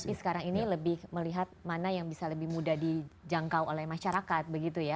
tapi sekarang ini lebih melihat mana yang bisa lebih mudah dijangkau oleh masyarakat begitu ya